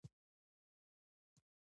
ستاسو کارونه کله سم وه ؟